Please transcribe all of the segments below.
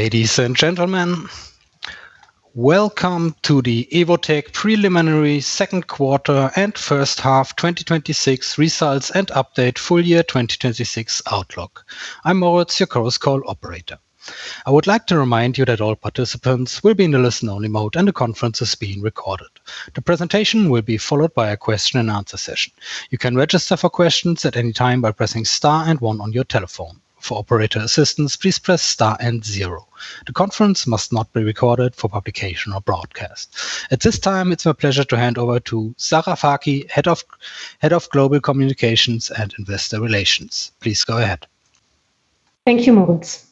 Ladies and gentlemen, welcome to the Evotec preliminary second quarter and first half 2026 results and update full year 2026 outlook. I am Moritz, your Chorus Call operator. I would like to remind you that all participants will be in the listen-only mode and the conference is being recorded. The presentation will be followed by a question and answer session. You can register for questions at any time by pressing star and one on your telephone. For operator assistance, please press star and zero. The conference must not be recorded for publication or broadcast. At this time, it is my pleasure to hand over to Sarah Fakih, Head of Global Communications and Investor Relations. Please go ahead. Thank you, Moritz.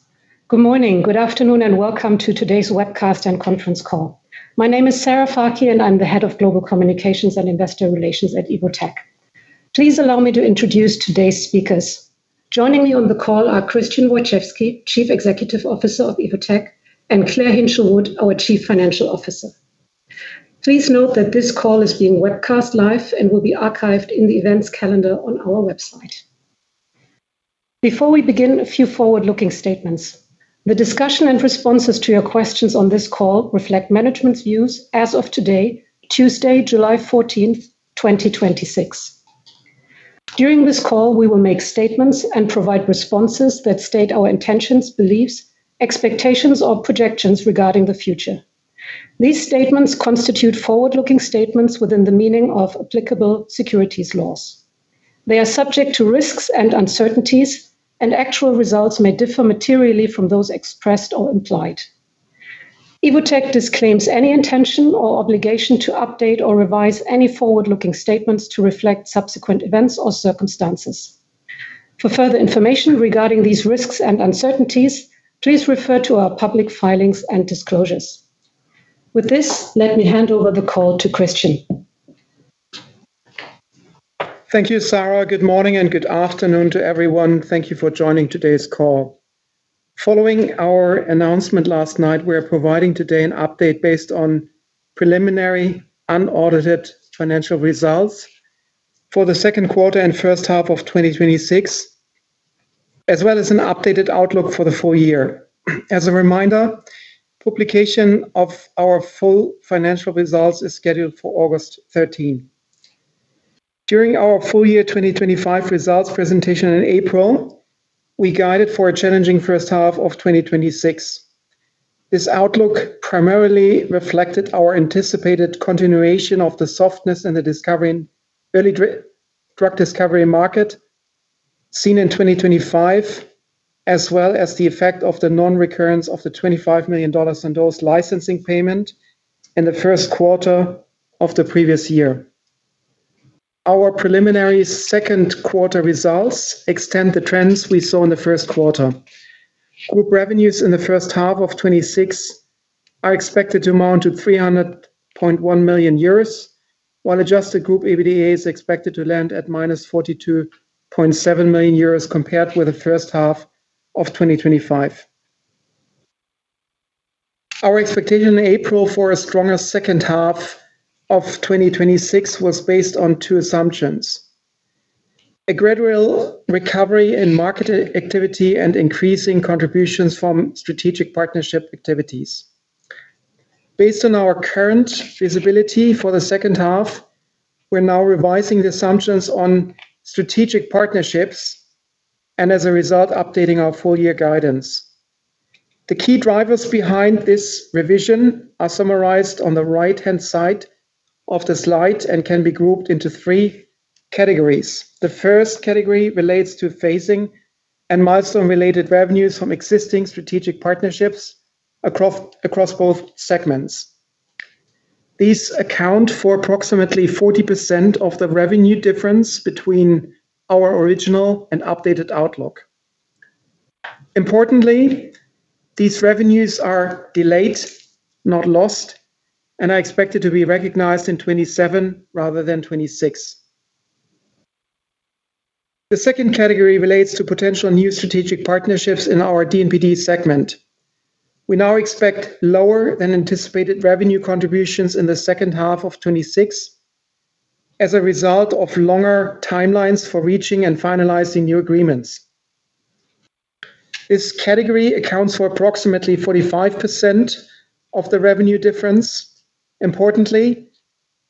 Good morning. Good afternoon, and welcome to today's webcast and conference call. My name is Sarah Fakih, and I am the Head of Global Communications and Investor Relations at Evotec. Please allow me to introduce today's speakers. Joining me on the call are Christian Wojczewski, Chief Executive Officer of Evotec, and Claire Hinshelwood, our Chief Financial Officer. Please note that this call is being webcast live and will be archived in the events calendar on our website. Before we begin, a few forward-looking statements. The discussion and responses to your questions on this call reflect management's views as of today, Tuesday, July 14th, 2026. During this call, we will make statements and provide responses that state our intentions, beliefs, expectations, or projections regarding the future. These statements constitute forward-looking statements within the meaning of applicable securities laws. They are subject to risks and uncertainties. Actual results may differ materially from those expressed or implied. Evotec disclaims any intention or obligation to update or revise any forward-looking statements to reflect subsequent events or circumstances. For further information regarding these risks and uncertainties, please refer to our public filings and disclosures. With this, let me hand over the call to Christian. Thank you, Sarah. Good morning and good afternoon to everyone. Thank you for joining today's call. Following our announcement last night, we are providing today an update based on preliminary unaudited financial results for the second quarter and first half of 2026, as well as an updated outlook for the full year. As a reminder, publication of our full financial results is scheduled for August 13th. During our full year 2025 results presentation in April, we guided for a challenging first half of 2026. This outlook primarily reflected our anticipated continuation of the softness in the early drug discovery market seen in 2025, as well as the effect of the non-recurrence of the $25 million Sandoz licensing payment in the first quarter of the previous year. Our preliminary second quarter results extend the trends we saw in the first quarter. Group revenues in the first half of 2026 are expected to amount to 300.1 million euros, while adjusted group EBITDA is expected to land at -42.7 million euros compared with the first half of 2025. Our expectation in April for a stronger second half of 2026 was based on two assumptions. A gradual recovery in market activity and increasing contributions from strategic partnership activities. Based on our current visibility for the second half, we're now revising the assumptions on strategic partnerships and as a result, updating our full year guidance. The key drivers behind this revision are summarized on the right-hand side of the slide and can be grouped into three categories. The first category relates to phasing and milestone-related revenues from existing strategic partnerships across both segments. These account for approximately 40% of the revenue difference between our original and updated outlook. Importantly, these revenues are delayed, not lost, and are expected to be recognized in 2027 rather than 2026. The second category relates to potential new strategic partnerships in our D&PD segment. We now expect lower than anticipated revenue contributions in the second half of 2026 as a result of longer timelines for reaching and finalizing new agreements. This category accounts for approximately 45% of the revenue difference. Importantly,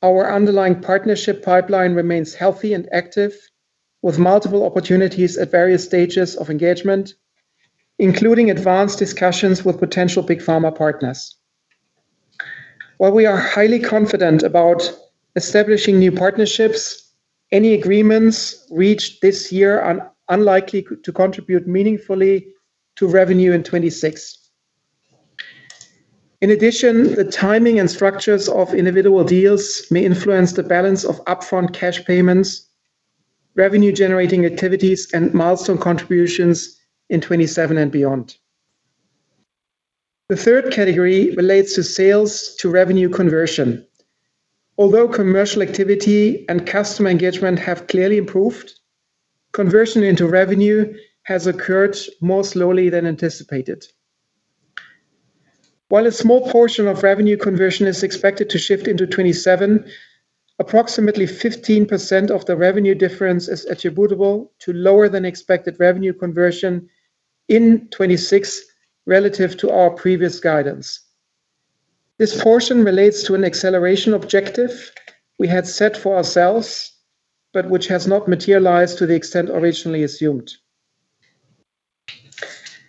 our underlying partnership pipeline remains healthy and active with multiple opportunities at various stages of engagement, including advanced discussions with potential big pharma partners. While we are highly confident about establishing new partnerships, any agreements reached this year are unlikely to contribute meaningfully to revenue in 2026. In addition, the timing and structures of individual deals may influence the balance of upfront cash payments, revenue-generating activities, and milestone contributions in 2027 and beyond. The third category relates to sales to revenue conversion. Although commercial activity and customer engagement have clearly improved, conversion into revenue has occurred more slowly than anticipated. While a small portion of revenue conversion is expected to shift into 2027, approximately 15% of the revenue difference is attributable to lower than expected revenue conversion in 2026 relative to our previous guidance. This portion relates to an acceleration objective we had set for ourselves, but which has not materialized to the extent originally assumed.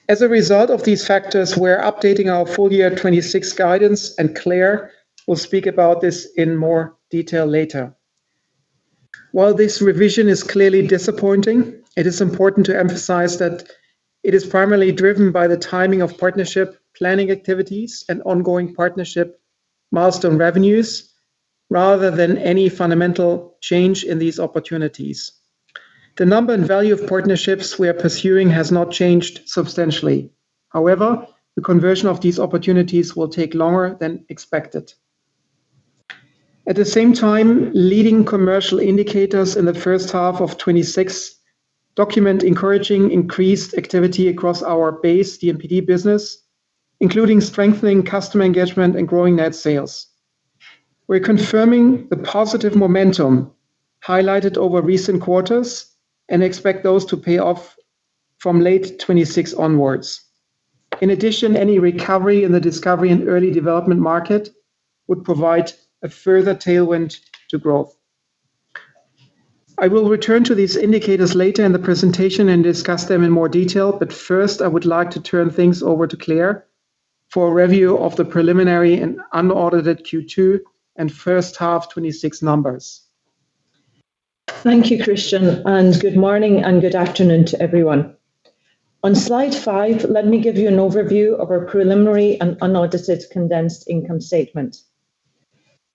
As a result of these factors, we're updating our full year 2026 guidance, and Claire will speak about this in more detail later. While this revision is clearly disappointing, it is important to emphasize that it is primarily driven by the timing of partnership planning activities and ongoing partnership milestone revenues, rather than any fundamental change in these opportunities. The number and value of partnerships we are pursuing has not changed substantially. However, the conversion of these opportunities will take longer than expected. At the same time, leading commercial indicators in the first half of 2026 document encouraging increased activity across our base D&PD business, including strengthening customer engagement and growing net sales. We're confirming the positive momentum highlighted over recent quarters and expect those to pay off from late 2026 onwards. In addition, any recovery in the discovery and early development market would provide a further tailwind to growth. I will return to these indicators later in the presentation and discuss them in more detail, but first, I would like to turn things over to Claire for a review of the preliminary and unaudited Q2 and first half 2026 numbers. Thank you, Christian, good morning and good afternoon to everyone. On slide five, let me give you an overview of our preliminary and unaudited condensed income statement.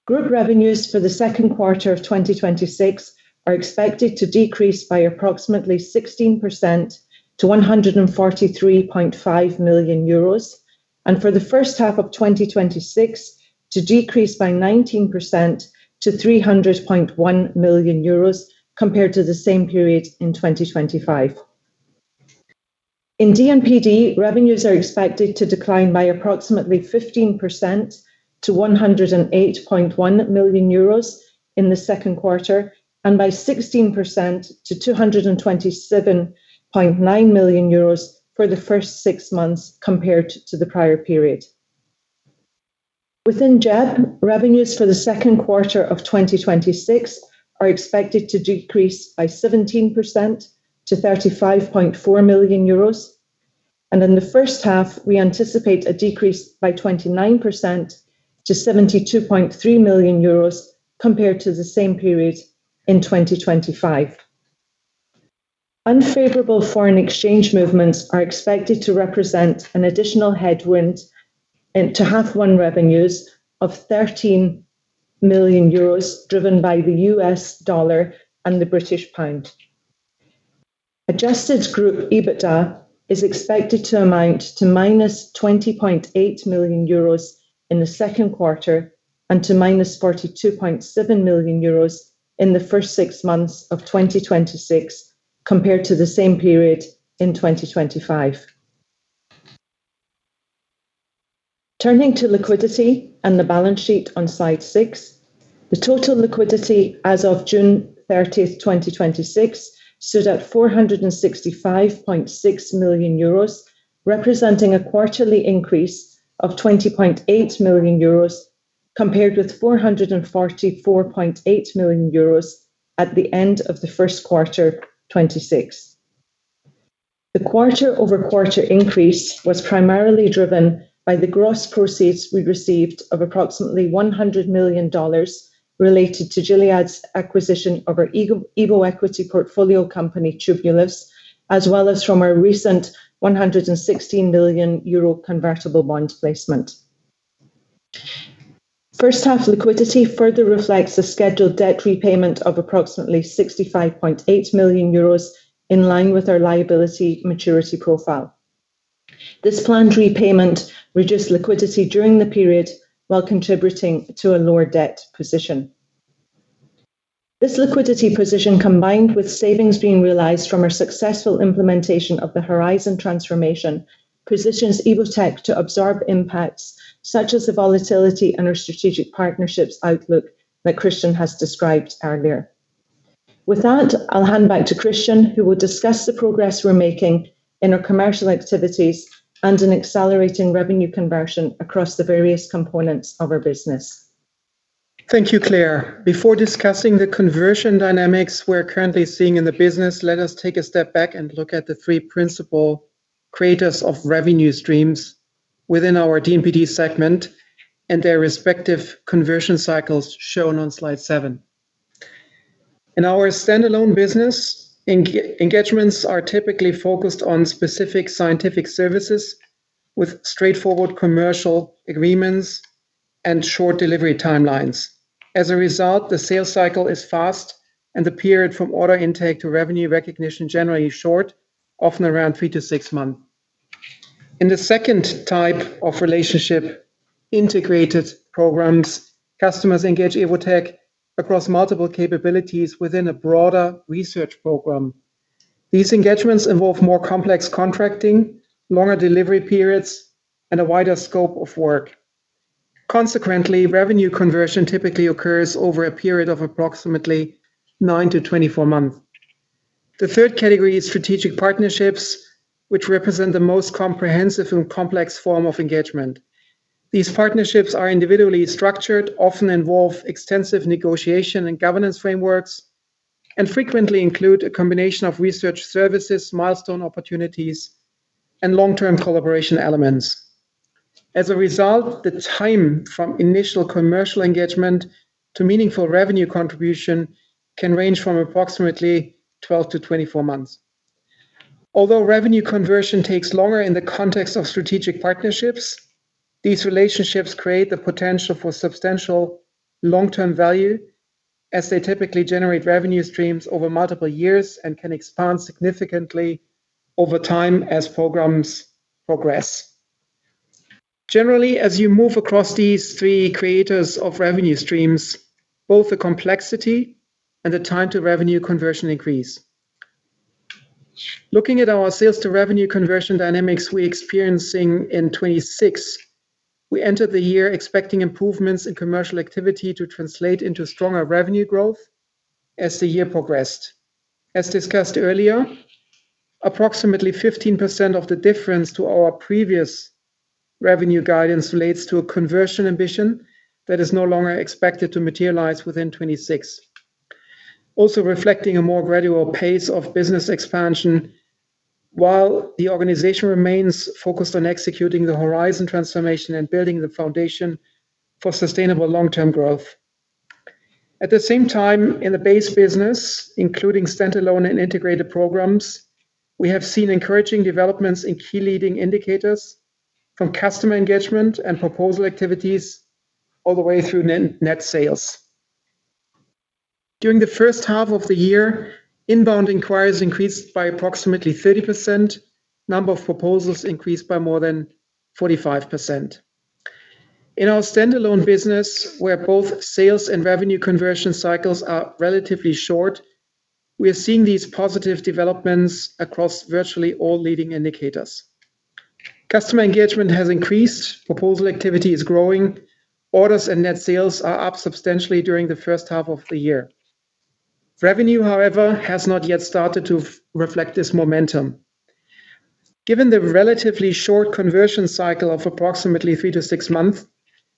Group revenues for the second quarter of 2026 are expected to decrease by approximately 16% to 143.5 million euros, and for the first half of 2026, to decrease by 19% to 300.1 million euros compared to the same period in 2025. In D&PD, revenues are expected to decline by approximately 15% to 108.1 million euros in the second quarter, and by 16% to 227.9 million euros for the first six months compared to the prior period. Within JEB, revenues for the second quarter of 2026 are expected to decrease by 17% to 35.4 million euros. In the first half, we anticipate a decrease by 29% to 72.3 million euros compared to the same period in 2025. Unfavorable foreign exchange movements are expected to represent an additional headwind to half one revenues of 13 million euros, driven by the U.S. dollar and the British pound. Adjusted group EBITDA is expected to amount to -20.8 million euros in the second quarter and to -42.7 million euros in the first six months of 2026 compared to the same period in 2025. Turning to liquidity and the balance sheet on slide six. The total liquidity as of June 30th, 2026 stood at 465.6 million euros, representing a quarterly increase of 20.8 million euros compared with 444.8 million euros at the end of the first quarter 2026. The quarter-over-quarter increase was primarily driven by the gross proceeds we received of approximately $100 million related to Gilead's acquisition of our EVOequity portfolio company, Tubulis, as well as from our recent 116 million euro convertible bond placement. First half liquidity further reflects the scheduled debt repayment of approximately 65.8 million euros in line with our liability maturity profile. This planned repayment reduced liquidity during the period while contributing to a lower debt position. This liquidity position, combined with savings being realized from our successful implementation of the Horizon transformation, positions Evotec to absorb impacts such as the volatility and our strategic partnerships outlook that Christian has described earlier. With that, I'll hand back to Christian, who will discuss the progress we're making in our commercial activities and in accelerating revenue conversion across the various components of our business. Thank you, Claire. Before discussing the conversion dynamics we're currently seeing in the business, let us take a step back and look at the three principal creators of revenue streams within our D&PD segment and their respective conversion cycles shown on slide seven. In our standalone business, engagements are typically focused on specific scientific services with straightforward commercial agreements and short delivery timelines. As a result, the sales cycle is fast and the period from order intake to revenue recognition generally short, often around three to six months. In the second type of relationship, integrated programs, customers engage Evotec across multiple capabilities within a broader research program. These engagements involve more complex contracting, longer delivery periods, and a wider scope of work. Consequently, revenue conversion typically occurs over a period of approximately 9-24 months. The third category is strategic partnerships, which represent the most comprehensive and complex form of engagement. These partnerships are individually structured, often involve extensive negotiation and governance frameworks, and frequently include a combination of research services, milestone opportunities, and long-term collaboration elements. As a result, the time from initial commercial engagement to meaningful revenue contribution can range from approximately 12-24 months. Although revenue conversion takes longer in the context of strategic partnerships, these relationships create the potential for substantial long-term value as they typically generate revenue streams over multiple years and can expand significantly over time as programs progress. Generally, as you move across these three creators of revenue streams, both the complexity and the time to revenue conversion increase. Looking at our sales to revenue conversion dynamics we're experiencing in 2026, we entered the year expecting improvements in commercial activity to translate into stronger revenue growth as the year progressed. As discussed earlier, approximately 15% of the difference to our previous revenue guidance relates to a conversion ambition that is no longer expected to materialize within 2026. Also reflecting a more gradual pace of business expansion while the organization remains focused on executing the Horizon transformation and building the foundation for sustainable long-term growth. At the same time, in the base business, including standalone and integrated programs, we have seen encouraging developments in key leading indicators from customer engagement and proposal activities all the way through net sales. During the first half of the year, inbound inquiries increased by approximately 30%. Number of proposals increased by more than 45%. In our standalone business, where both sales and revenue conversion cycles are relatively short, we are seeing these positive developments across virtually all leading indicators. Customer engagement has increased, proposal activity is growing, orders and net sales are up substantially during the first half of the year. Revenue, however, has not yet started to reflect this momentum. Given the relatively short conversion cycle of approximately three to six months,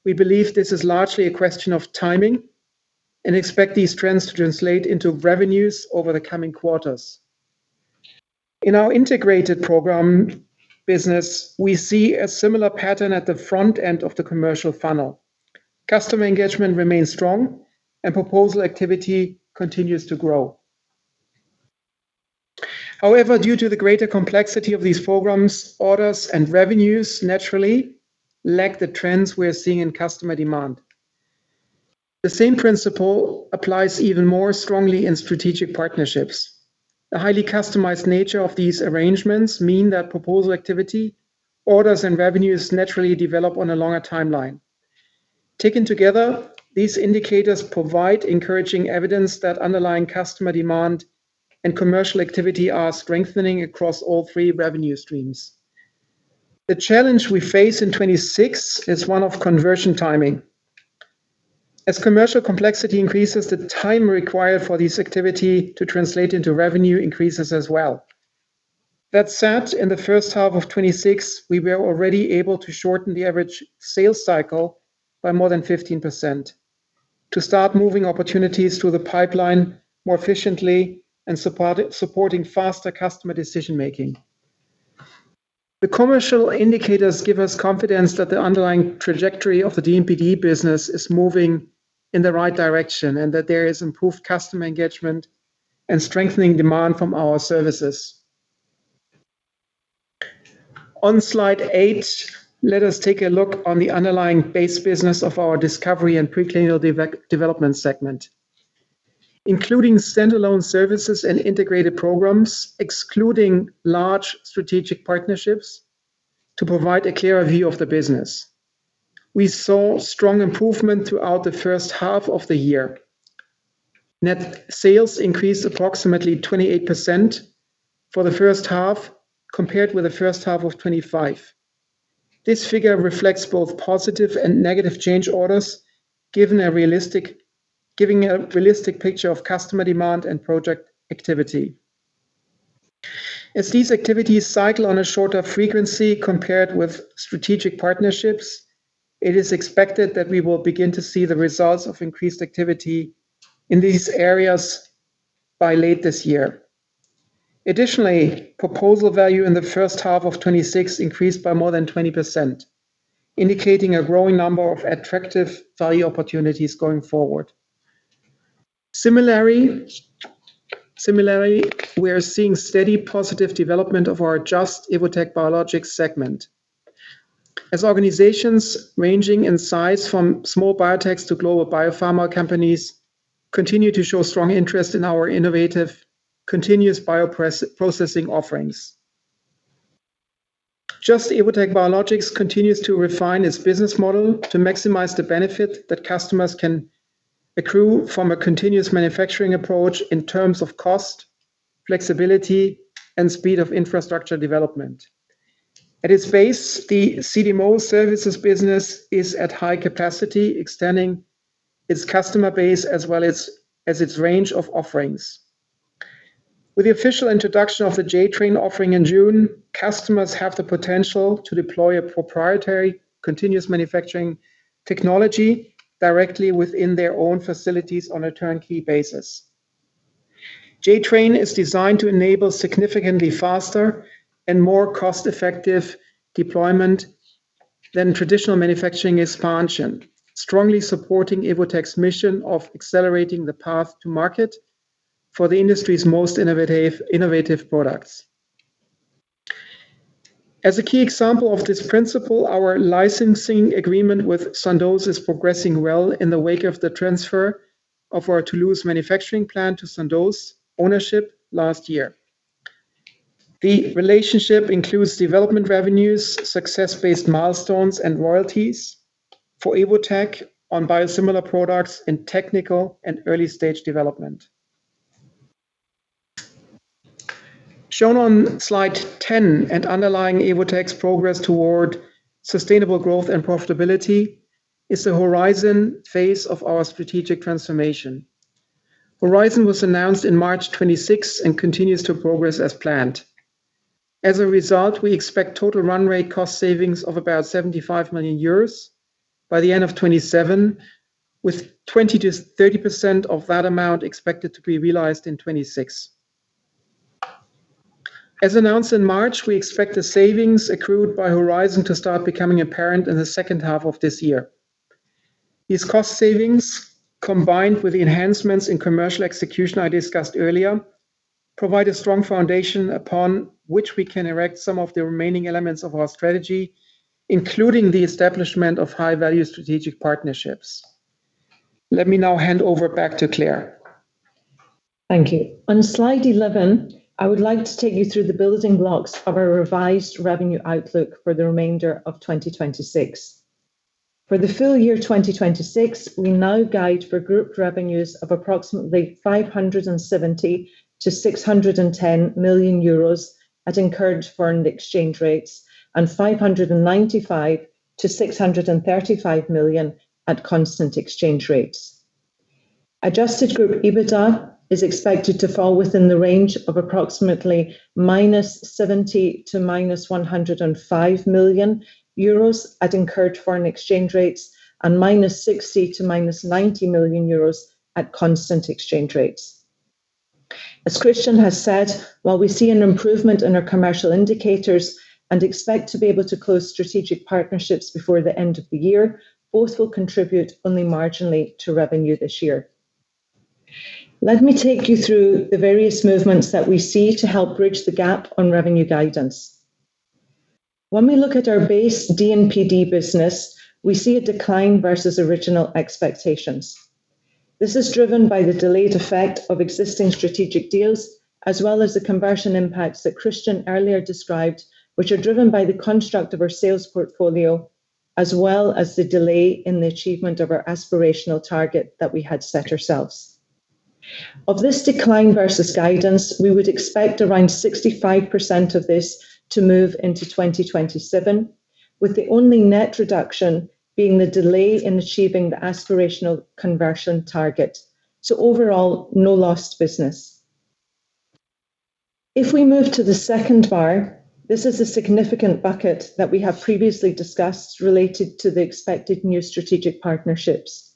we believe this is largely a question of timing and expect these trends to translate into revenues over the coming quarters. In our integrated program business, we see a similar pattern at the front end of the commercial funnel. Customer engagement remains strong and proposal activity continues to grow. However, due to the greater complexity of these programs, orders and revenues naturally lack the trends we are seeing in customer demand. The same principle applies even more strongly in strategic partnerships. The highly customized nature of these arrangements mean that proposal activity, orders, and revenues naturally develop on a longer timeline. Taken together, these indicators provide encouraging evidence that underlying customer demand and commercial activity are strengthening across all three revenue streams. The challenge we face in 2026 is one of conversion timing. As commercial complexity increases, the time required for this activity to translate into revenue increases as well. That said, in the first half of 2026, we were already able to shorten the average sales cycle by more than 15%, to start moving opportunities through the pipeline more efficiently and supporting faster customer decision-making. The commercial indicators give us confidence that the underlying trajectory of the D&PD business is moving in the right direction and that there is improved customer engagement and strengthening demand from our services. On slide eight, let us take a look on the underlying base business of our discovery and preclinical development segment, including standalone services and integrated programs, excluding large strategic partnerships to provide a clearer view of the business. We saw strong improvement throughout the first half of the year. Net sales increased approximately 28% for the first half compared with the first half of 2025. This figure reflects both positive and negative change orders, giving a realistic picture of customer demand and project activity. As these activities cycle on a shorter frequency compared with strategic partnerships, it is expected that we will begin to see the results of increased activity in these areas by late this year. Additionally, proposal value in the first half of 2026 increased by more than 20%, indicating a growing number of attractive value opportunities going forward. Similarly, we are seeing steady positive development of our Just - Evotec Biologics segment. As organizations ranging in size from small biotechs to global biopharma companies continue to show strong interest in our innovative continuous bioprocessing offerings. Just - Evotec Biologics continues to refine its business model to maximize the benefit that customers can accrue from a continuous manufacturing approach in terms of cost, flexibility, and speed of infrastructure development. At its base, the CDMO services business is at high capacity, extending its customer base as well as its range of offerings. With the official introduction of the J.TRAIN offering in June, customers have the potential to deploy a proprietary continuous manufacturing technology directly within their own facilities on a turnkey basis. J.TRAIN is designed to enable significantly faster and more cost-effective deployment than traditional manufacturing expansion, strongly supporting Evotec's mission of accelerating the path to market for the industry's most innovative products. As a key example of this principle, our licensing agreement with Sandoz is progressing well in the wake of the transfer of our Toulouse manufacturing plant to Sandoz ownership last year. The relationship includes development revenues, success-based milestones, and royalties for Evotec on biosimilar products in technical and early-stage development. Shown on slide 10 and underlying Evotec's progress toward sustainable growth and profitability is the Horizon phase of our strategic transformation. Horizon was announced on March 26th and continues to progress as planned. As a result, we expect total run rate cost savings of about 75 million euros by the end of 2027, with 20%-30% of that amount expected to be realized in 2026. As announced in March, we expect the savings accrued by Horizon to start becoming apparent in the second half of this year. These cost savings, combined with the enhancements in commercial execution I discussed earlier, provide a strong foundation upon which we can erect some of the remaining elements of our strategy, including the establishment of high-value strategic partnerships. Let me now hand over back to Claire. Thank you. On slide 11, I would like to take you through the building blocks of our revised revenue outlook for the remainder of 2026. For the full year 2026, we now guide for group revenues of approximately 570 million-610 million euros at incurred foreign exchange rates and 595 million-635 million at constant exchange rates. Adjusted group EBITDA is expected to fall within the range of approximately -70 million to -105 million euros at incurred foreign exchange rates and -60 million to -90 million euros at constant exchange rates. As Christian has said, while we see an improvement in our commercial indicators and expect to be able to close strategic partnerships before the end of the year, both will contribute only marginally to revenue this year. Let me take you through the various movements that we see to help bridge the gap on revenue guidance. When we look at our base D&PD business, we see a decline versus original expectations. This is driven by the delayed effect of existing strategic deals, as well as the conversion impacts that Christian earlier described, which are driven by the construct of our sales portfolio, as well as the delay in the achievement of our aspirational target that we had set ourselves. Of this decline versus guidance, we would expect around 65% of this to move into 2027, with the only net reduction being the delay in achieving the aspirational conversion target. Overall, no lost business. If we move to the second bar, this is a significant bucket that we have previously discussed related to the expected new strategic partnerships.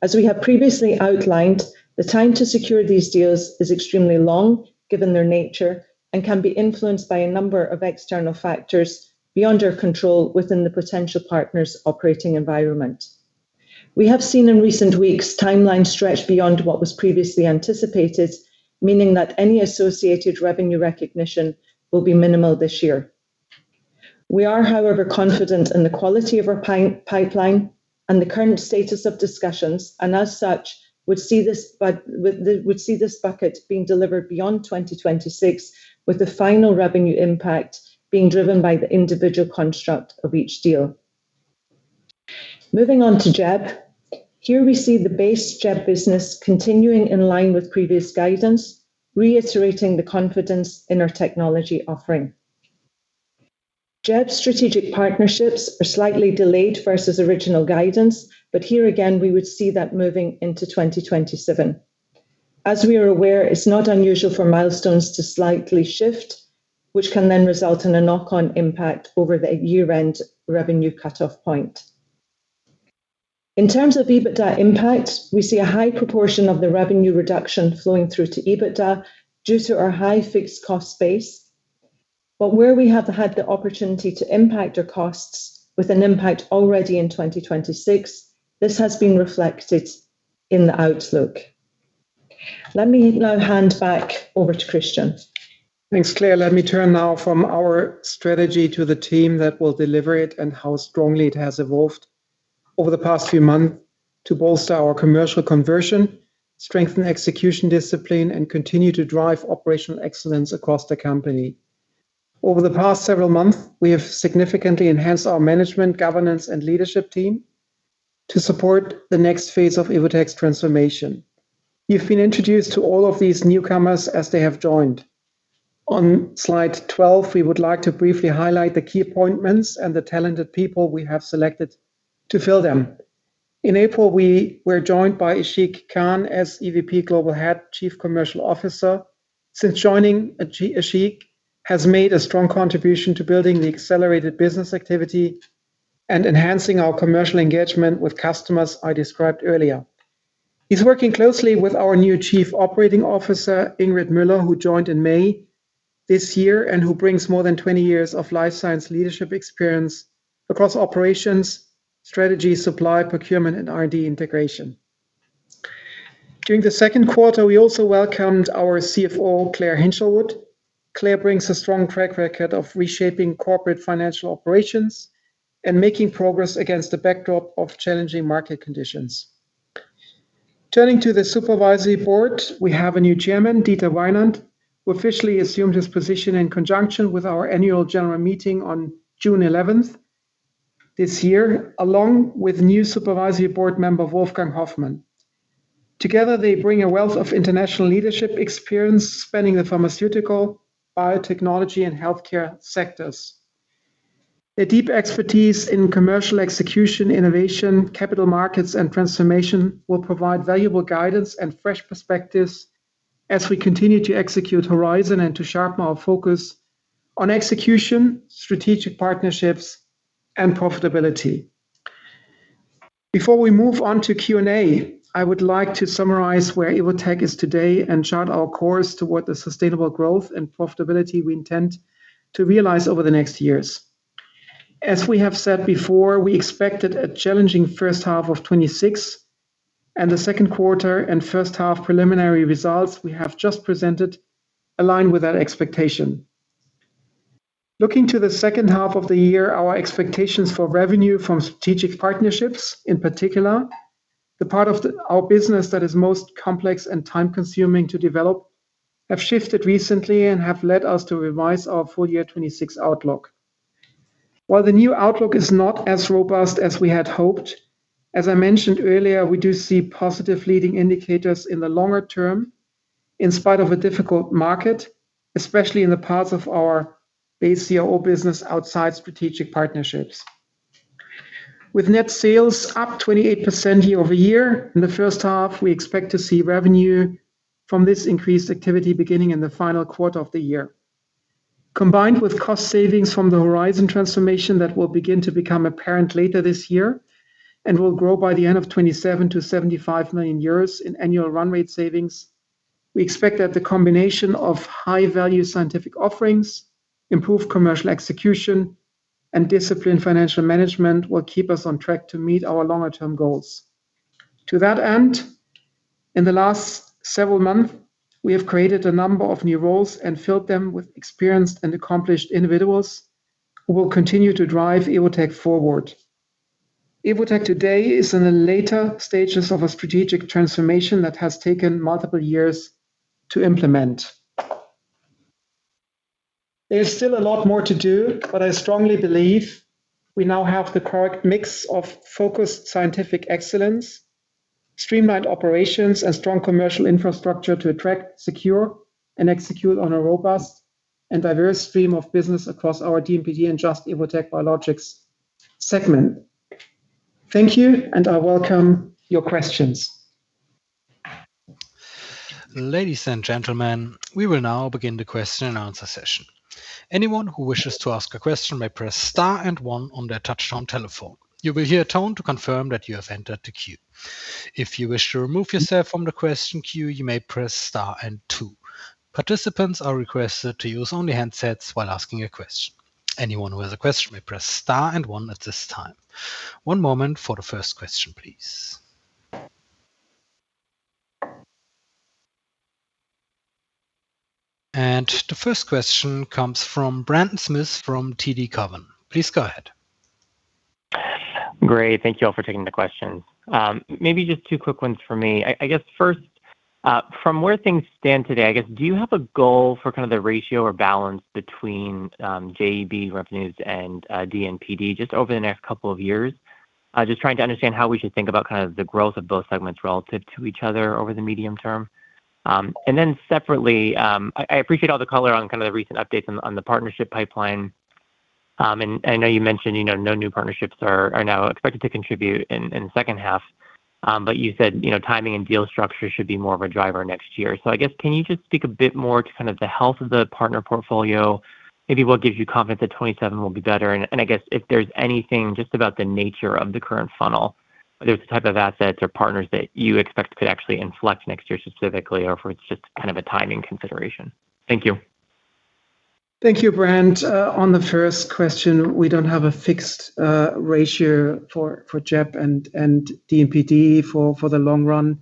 As we have previously outlined, the time to secure these deals is extremely long, given their nature, and can be influenced by a number of external factors beyond our control within the potential partner's operating environment. We have seen in recent weeks timelines stretch beyond what was previously anticipated, meaning that any associated revenue recognition will be minimal this year. We are, however, confident in the quality of our pipeline and the current status of discussions, and as such, would see this bucket being delivered beyond 2026, with the final revenue impact being driven by the individual construct of each deal. Moving on to JEB, here we see the base JEB business continuing in line with previous guidance, reiterating the confidence in our technology offering. JEB strategic partnerships are slightly delayed versus original guidance, but here again, we would see that moving into 2027. As we are aware, it's not unusual for milestones to slightly shift, which can then result in a knock-on impact over the year-end revenue cutoff point. In terms of EBITDA impact, we see a high proportion of the revenue reduction flowing through to EBITDA due to our high fixed cost base. Where we have had the opportunity to impact our costs with an impact already in 2026, this has been reflected in the outlook. Let me now hand back over to Christian. Thanks, Claire. Let me turn now from our strategy to the team that will deliver it and how strongly it has evolved. Over the past few months to bolster our commercial conversion, strengthen execution discipline, and continue to drive operational excellence across the company. Over the past several months, we have significantly enhanced our management, governance, and leadership team to support the next phase of Evotec's transformation. You've been introduced to all of these newcomers as they have joined. On slide 12, we would like to briefly highlight the key appointments and the talented people we have selected to fill them. In April, we were joined by Ashiq Khan as EVP Global Head Chief Commercial Officer. Since joining, Ashiq has made a strong contribution to building the accelerated business activity and enhancing our commercial engagement with customers I described earlier. He's working closely with our new Chief Operating Officer, Ingrid Müller, who joined in May this year and who brings more than 20 years of life science leadership experience across operations, strategy, supply, procurement, and R&D integration. During the second quarter, we also welcomed our CFO, Claire Hinshelwood. Claire brings a strong track record of reshaping corporate financial operations and making progress against the backdrop of challenging market conditions. Turning to the Supervisory Board, we have a new Chairman, Dieter Weinand, who officially assumed his position in conjunction with our annual general meeting on June 11th this year, along with new Supervisory Board Member Wolfgang Hofmann. Together, they bring a wealth of international leadership experience spanning the pharmaceutical, biotechnology, and healthcare sectors. Their deep expertise in commercial execution, innovation, capital markets, and transformation will provide valuable guidance and fresh perspectives as we continue to execute Horizon and to sharpen our focus on execution, strategic partnerships, and profitability. Before we move on to Q&A, I would like to summarize where Evotec is today and chart our course toward the sustainable growth and profitability we intend to realize over the next years. As we have said before, we expected a challenging first half of 2026, and the second quarter and first half preliminary results we have just presented align with that expectation. Looking to the second half of the year, our expectations for revenue from strategic partnerships, in particular, the part of our business that is most complex and time-consuming to develop, have shifted recently and have led us to revise our full year 2026 outlook. While the new outlook is not as robust as we had hoped, as I mentioned earlier, we do see positive leading indicators in the longer-term in spite of a difficult market, especially in the paths of our base CRO business outside strategic partnerships. With net sales up 28% year-over-year in the first half, we expect to see revenue from this increased activity beginning in the final quarter of the year. Combined with cost savings from the Horizon transformation that will begin to become apparent later this year and will grow by the end of 2027 to 75 million euros in annual run rate savings, we expect that the combination of high-value scientific offerings, improved commercial execution, and disciplined financial management will keep us on track to meet our longer-term goals. To that end, in the last several months, we have created a number of new roles and filled them with experienced and accomplished individuals who will continue to drive Evotec forward. Evotec today is in the later stages of a strategic transformation that has taken multiple years to implement. There is still a lot more to do, but I strongly believe we now have the correct mix of focused scientific excellence, streamlined operations, and strong commercial infrastructure to attract, secure, and execute on a robust and diverse stream of business across our D&PD and Just Evotec Biologics segment. Thank you, and I welcome your questions. Ladies and gentlemen, we will now begin the question and answer session. Anyone who wishes to ask a question may press star and one on their touchtone telephone. You will hear a tone to confirm that you have entered the queue. If you wish to remove yourself from the question queue, you may press star and two. Participants are requested to use only handsets while asking a question. Anyone who has a question may press star and one at this time. One moment for the first question, please. The first question comes from Brendan Smith from TD Cowen. Please go ahead. Great. Thank you all for taking the questions. Maybe just two quick ones for me. I guess first, from where things stand today, I guess, do you have a goal for the ratio or balance between JEB revenues and D&PD just over the next couple of years? Just trying to understand how we should think about the growth of both segments relative to each other over the medium term. Separately, I appreciate all the color on the recent updates on the partnership pipeline. I know you mentioned no new partnerships are now expected to contribute in the second half, you said timing and deal structure should be more of a driver next year. I guess can you just speak a bit more to the health of the partner portfolio, maybe what gives you confidence that 2027 will be better and I guess if there's anything just about the nature of the current funnel, if there's the type of assets or partners that you expect could actually inflect next year specifically or if it's just a timing consideration. Thank you. Thank you, Brent. On the first question, we don't have a fixed ratio for JEB and D&PD for the long run.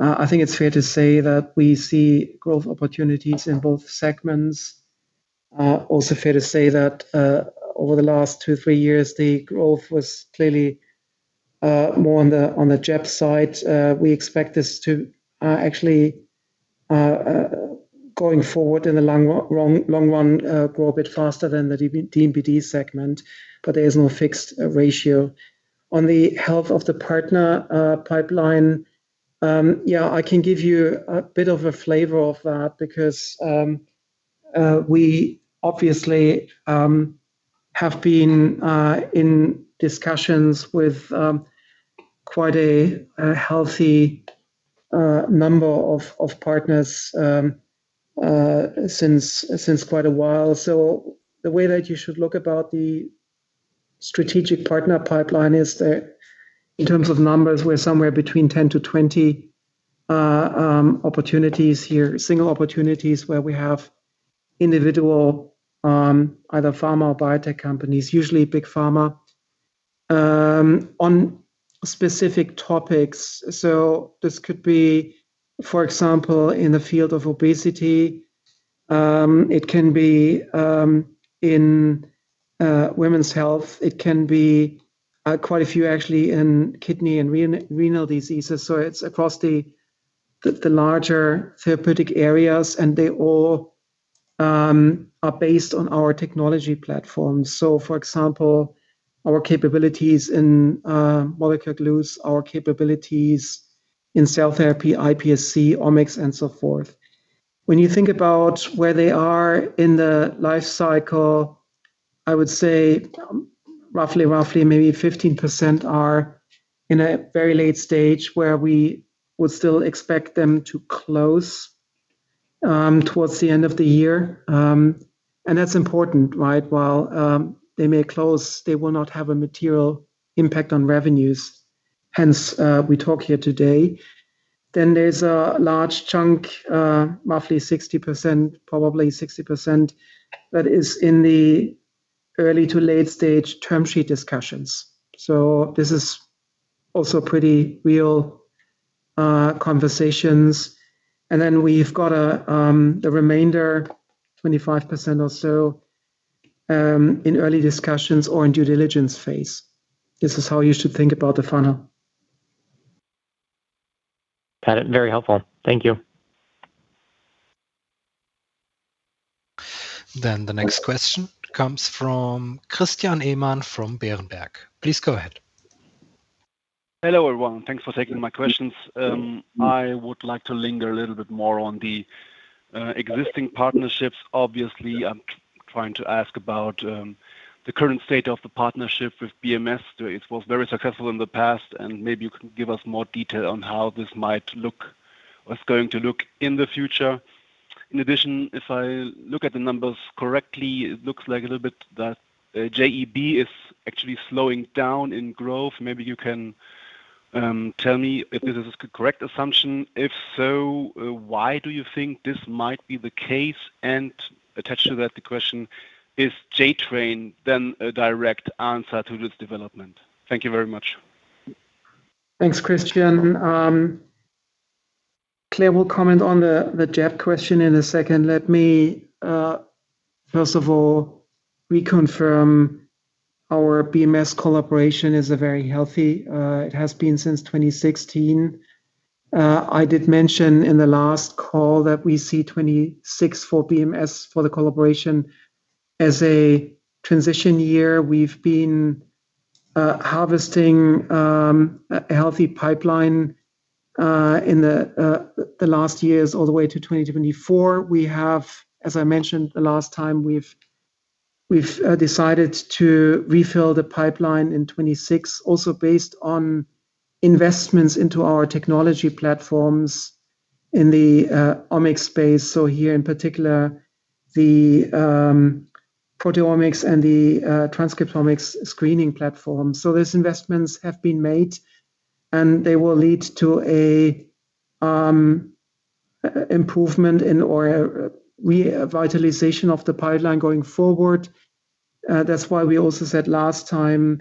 I think it's fair to say that we see growth opportunities in both segments. Also fair to say that over the last two, three years, the growth was clearly more on the JEB side. We expect this to actually, going forward in the long run, grow a bit faster than the D&PD segment, but there is no fixed ratio. On the health of the partner pipeline, I can give you a bit of a flavor of that because we obviously have been in discussions with quite a healthy number of partners since quite a while. The way that you should look about the strategic partner pipeline is that in terms of numbers, we're somewhere between 10-20 opportunities here, single opportunities where we have individual, either pharma or biotech companies, usually big pharma, on specific topics. This could be, for example, in the field of obesity. It can be in women's health. It can be quite a few, actually, in kidney and renal diseases. It's across the larger therapeutic areas, and they all are based on our technology platform. For example, our capabilities in molecular glues, our capabilities in cell therapy, iPSC, omics, and so forth. When you think about where they are in the life cycle, I would say roughly maybe 15% are in a very late stage where we would still expect them to close towards the end of the year. That's important. While they may close, they will not have a material impact on revenues. Hence, we talk here today. There's a large chunk, roughly 60%, probably 60%, that is in the early to late-stage term sheet discussions. This is also pretty real conversations. Then we've got the remainder, 25% or so, in early discussions or in due diligence phase. This is how you should think about the funnel. Got it. Very helpful. Thank you. The next question comes from Christian Ehmann from Berenberg. Please go ahead. Hello, everyone. Thanks for taking my questions. I would like to linger a little bit more on the existing partnerships. Obviously, I'm trying to ask about the current state of the partnership with BMS. It was very successful in the past, and maybe you can give us more detail on how this might look or is going to look in the future. In addition, if I look at the numbers correctly, it looks like a little bit that JEB is actually slowing down in growth. Maybe you can tell me if this is a correct assumption. If so, why do you think this might be the case? Attached to that, the question, is J.TRAIN then a direct answer to this development? Thank you very much. Thanks, Christian. Claire will comment on the JEB question in a second. Let me, first of all, reconfirm our BMS collaboration is very healthy. It has been since 2016. I did mention in the last call that we see 2026 for BMS for the collaboration as a transition year. We've been harvesting a healthy pipeline in the last years all the way to 2024. We have, as I mentioned the last time, we've decided to refill the pipeline in 2026, also based on investments into our technology platforms in the omics space. Here in particular, the proteomics and the transcriptomics screening platform. These investments have been made, and they will lead to a improvement in or a revitalization of the pipeline going forward. That's why we also said last time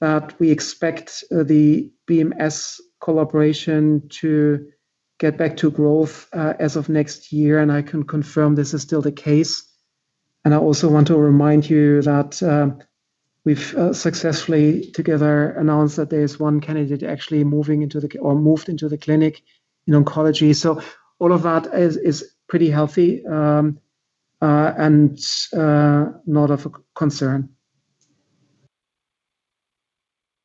that we expect the BMS collaboration to get back to growth as of next year. I can confirm this is still the case. I also want to remind you that we've successfully together announced that there is one candidate actually moved into the clinic in oncology. All of that is pretty healthy and not of concern.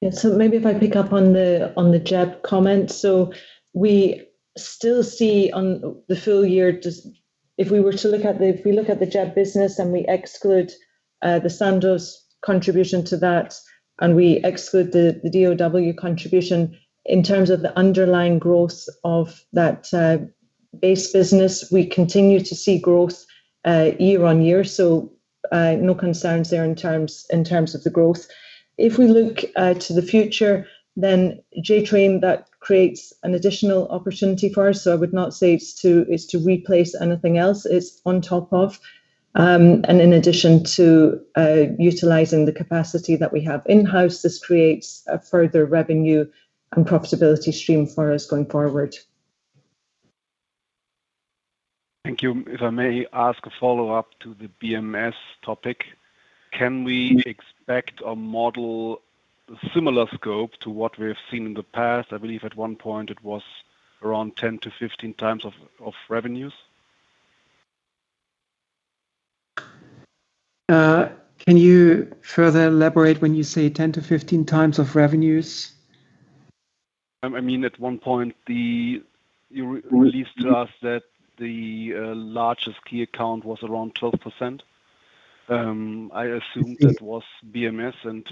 Maybe if I pick up on the JEB comment. We still see on the full year, if we look at the JEB business and we exclude the Sandoz contribution to that, and we exclude the Dow contribution, in terms of the underlying growth of that base business, we continue to see growth year-on-year. No concerns there in terms of the growth. If we look to the future, then J.TRAIN, that creates an additional opportunity for us. I would not say it's to replace anything else. It's on top of, and in addition to utilizing the capacity that we have in-house. This creates a further revenue and profitability stream for us going forward. Thank you. If I may ask a follow-up to the BMS topic, can we expect or model similar scope to what we have seen in the past? I believe at one point it was around 10x to 15x of revenues. Can you further elaborate when you say 10x to 15x of revenues? I mean, at one point you released to us that the largest key account was around 12%. I assumed that was BMS, and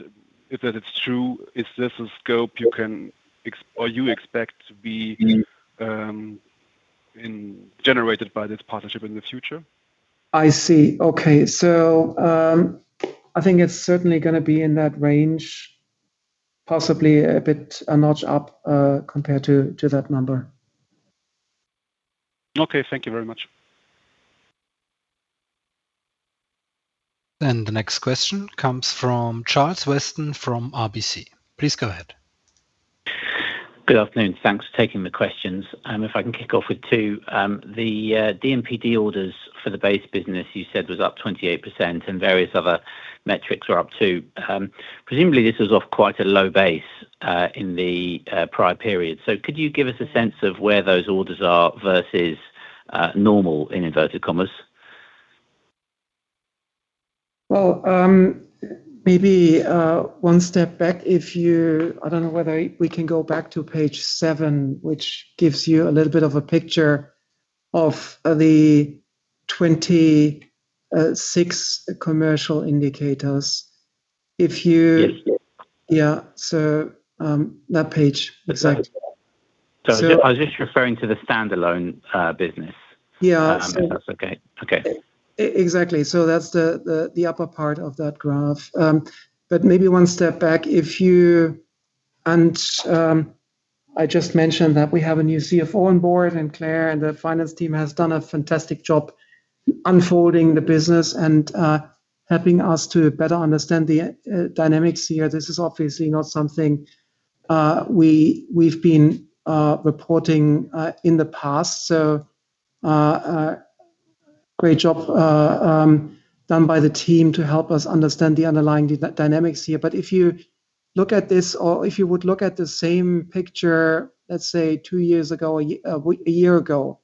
if that is true, is this a scope you expect to be generated by this partnership in the future? I see. Okay. I think it's certainly going to be in that range, possibly a notch up, compared to that number. Okay. Thank you very much. The next question comes from Charles Weston from RBC. Please go ahead. Good afternoon. Thanks for taking the questions. If I can kick off with two, the D&PD orders for the base business, you said was up 28% and various other metrics are up too. Presumably, this was off quite a low base, in the prior period. Could you give us a sense of where those orders are versus normal in inverted commas? Well, maybe one step back. I don't know whether we can go back to page seven, which gives you a little bit of a picture of the 26 commercial indicators. Yes. Yeah. That page, exactly. I was just referring to the standalone business. Yeah. If that's okay. Okay. Exactly. That's the upper part of that graph. Maybe one step back. I just mentioned that we have a new CFO on board, and Claire and the finance team has done a fantastic job unfolding the business and helping us to better understand the dynamics here. This is obviously not something we've been reporting in the past. Great job done by the team to help us understand the underlying dynamics here. If you look at this, or if you would look at the same picture, let's say two years ago, a year ago,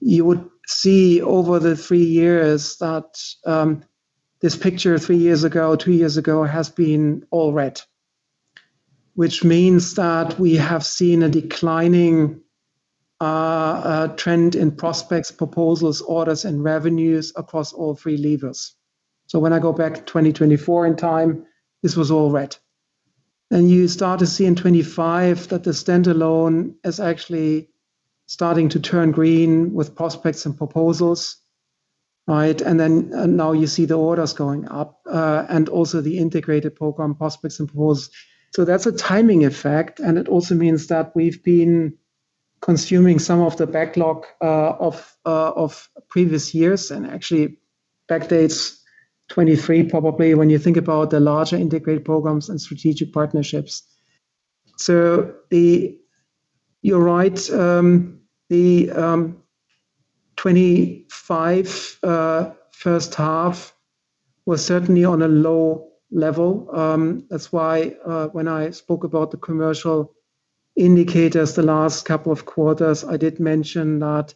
you would see over the three years that this picture three years ago, two years ago, has been all red. Which means that we have seen a declining trend in prospects, proposals, orders, and revenues across all three levers. When I go back to 2024 in time, this was all red. You start to see in 2025 that the standalone is actually starting to turn green with prospects and proposals. Now you see the orders going up, and also the integrated program prospects and proposals. That's a timing effect, and it also means that we've been consuming some of the backlog of previous years, and actually backdates 2023 probably when you think about the larger integrated programs and strategic partnerships. You're right. The 2025 first half was certainly on a low level. That's why when I spoke about the commercial indicators the last couple of quarters, I did mention that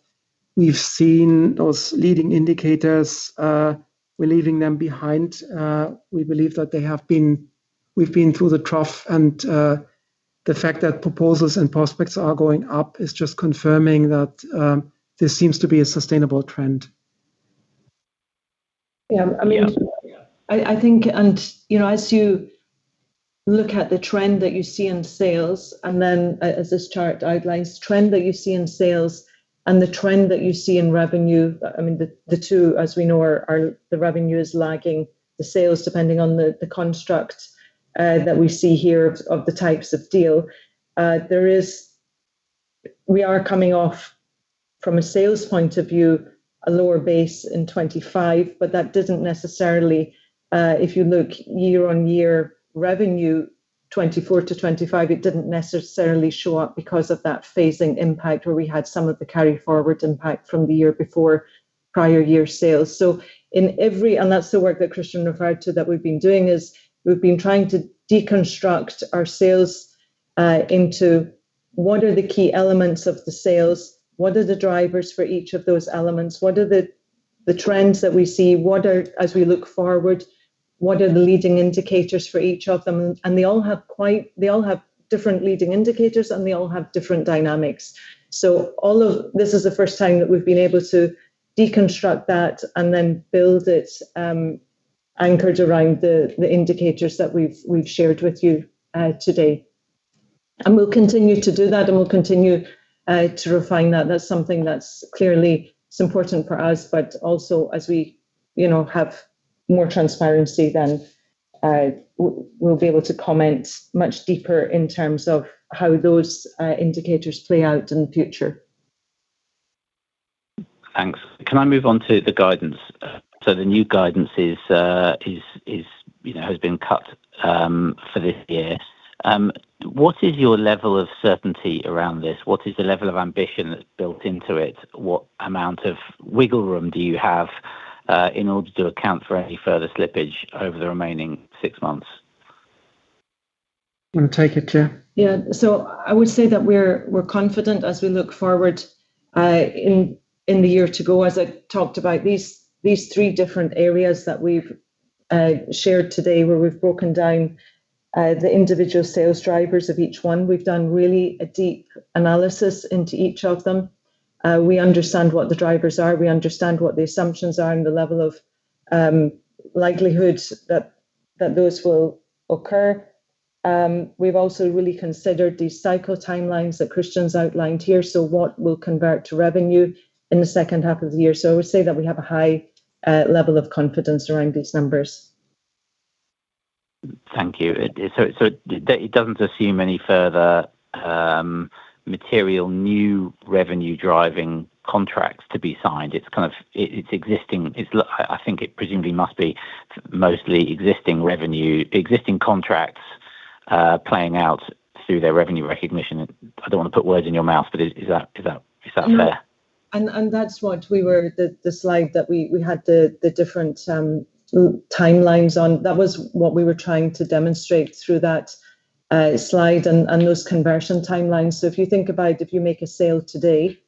we've seen those leading indicators. We're leaving them behind. We believe that we've been through the trough and the fact that proposals and prospects are going up is just confirming that this seems to be a sustainable trend. Yeah. As you look at the trend that you see in sales, as this chart outlines, trend that you see in sales and the trend that you see in revenue, the two as we know are the revenue is lagging the sales depending on the construct that we see here of the types of deal. We are coming off, from a sales point of view, a lower base in 2025, but that didn't necessarily, if you look year-on-year revenue 2024 to 2025, it didn't necessarily show up because of that phasing impact where we had some of the carry forward impact from the year before prior year sales. That's the work that Christian referred to that we've been doing, is we've been trying to deconstruct our sales into what are the key elements of the sales? What are the drivers for each of those elements? What are the trends that we see? As we look forward, what are the leading indicators for each of them? They all have different leading indicators and they all have different dynamics. This is the first time that we've been able to deconstruct that and then build it, anchored around the indicators that we've shared with you today. We'll continue to do that, and we'll continue to refine that. That's something that's clearly important for us, also as we have more transparency, then we'll be able to comment much deeper in terms of how those indicators play out in the future. Can I move on to the guidance? The new guidance has been cut for this year. What is your level of certainty around this? What is the level of ambition that's built into it? What amount of wiggle room do you have in order to account for any further slippage over the remaining six months? Want to take it, Claire? Yeah. I would say that we're confident as we look forward in the year to go, as I talked about, these three different areas that we've shared today, where we've broken down the individual sales drivers of each one. We've done really a deep analysis into each of them. We understand what the drivers are, we understand what the assumptions are, and the level of likelihood that those will occur. We've also really considered the cycle timelines that Christian's outlined here, what will convert to revenue in the second half of the year. I would say that we have a high level of confidence around these numbers. Thank you. It doesn't assume any further material, new revenue-driving contracts to be signed. I think it presumably must be mostly existing revenue, existing contracts, playing out through their revenue recognition. I don't want to put words in your mouth, but is that fair? No. That's what the slide that we had the different timelines on, that was what we were trying to demonstrate through that slide and those conversion timelines. If you think about if you make a sale today,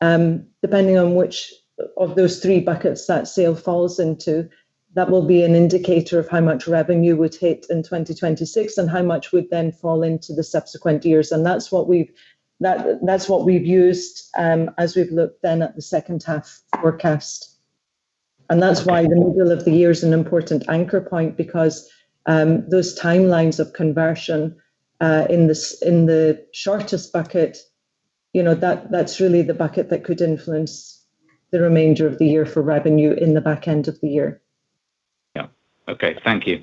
depending on which of those three buckets that sale falls into, that will be an indicator of how much revenue we'd hit in 2026, and how much would then fall into the subsequent years. That's what we've used as we've looked then at the second-half forecast. That's why the middle of the year is an important anchor point because those timelines of conversion in the shortest bucket, that's really the bucket that could influence the remainder of the year for revenue in the back end of the year. Yeah. Okay. Thank you.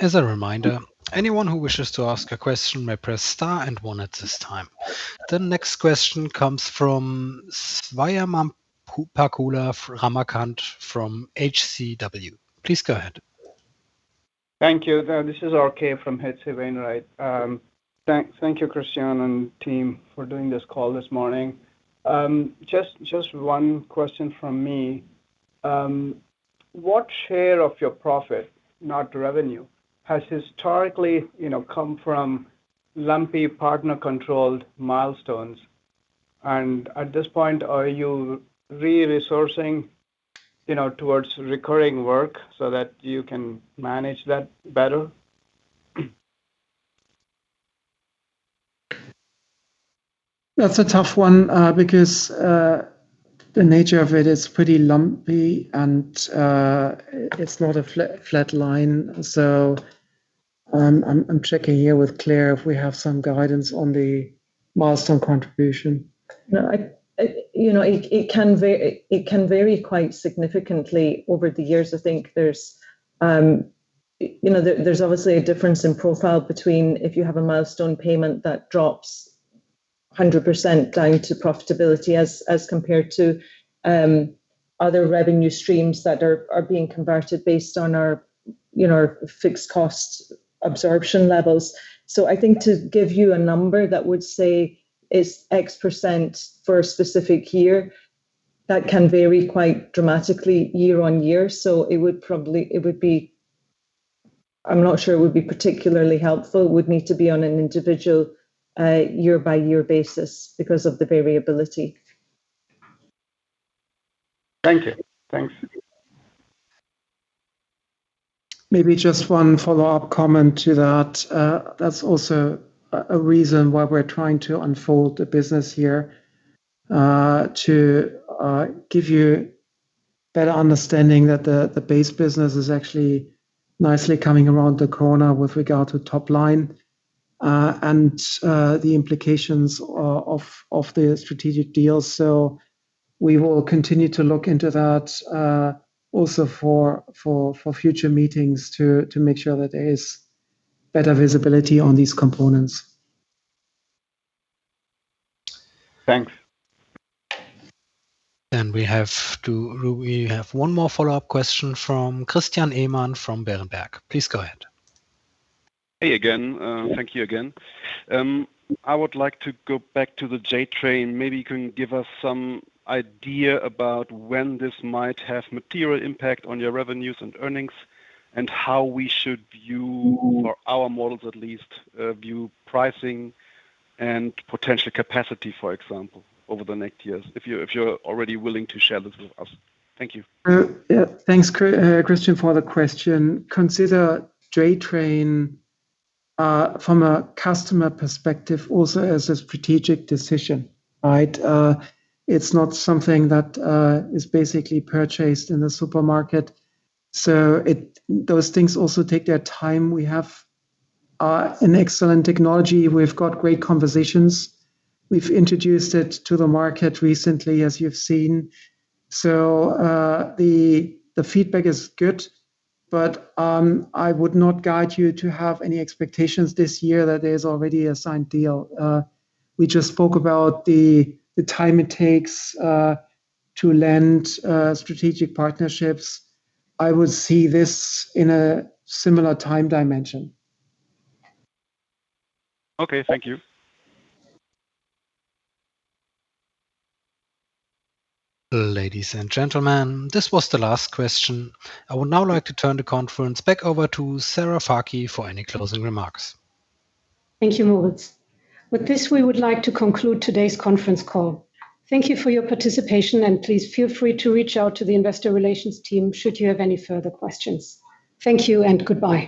As a reminder, anyone who wishes to ask a question may press star and one at this time. The next question comes from Swayampakula Ramakanth from HCW. Please go ahead. Thank you. This is RK from H.C. Wainwright. Thank you, Christian and team, for doing this call this morning. Just one question from me. What share of your profit, not revenue, has historically come from lumpy partner-controlled milestones? At this point, are you re-resourcing towards recurring work so that you can manage that better? That's a tough one because the nature of it is pretty lumpy and it's not a flat line. I'm checking here with Claire if we have some guidance on the milestone contribution. No. It can vary quite significantly over the years. I think there's obviously a difference in profile between if you have a milestone payment that drops 100% down to profitability as compared to other revenue streams that are being converted based on our fixed cost absorption levels. I think to give you a number that would say it's X percent for a specific year, that can vary quite dramatically year on year. I'm not sure it would be particularly helpful. It would need to be on an individual year-by-year basis because of the variability. Thank you. Maybe just one follow-up comment to that. That's also a reason why we're trying to unfold the business here, to give you better understanding that the base business is actually nicely coming around the corner with regard to top line and the implications of the strategic deals. We will continue to look into that, also for future meetings, to make sure that there is better visibility on these components. Thanks. We have one more follow-up question from Christian Ehmann from Berenberg. Please go ahead. Hey again. Thank you again. I would like to go back to the J.TRAIN. Maybe you can give us some idea about when this might have material impact on your revenues and earnings, and how we should view, for our models at least, view pricing and potential capacity, for example, over the next years, if you're already willing to share this with us. Thank you. Yeah. Thanks, Christian, for the question. Consider J.TRAIN from a customer perspective also as a strategic decision. It's not something that is basically purchased in the supermarket. Those things also take their time. We have an excellent technology. We've got great conversations. We've introduced it to the market recently, as you've seen. The feedback is good, but I would not guide you to have any expectations this year that there's already a signed deal. We just spoke about the time it takes to land strategic partnerships. I would see this in a similar time dimension. Okay. Thank you. Ladies and gentlemen, this was the last question. I would now like to turn the conference back over to Sarah Fakih for any closing remarks. Thank you, Moritz. With this, we would like to conclude today's conference call. Thank you for your participation, and please feel free to reach out to the investor relations team should you have any further questions. Thank you and goodbye.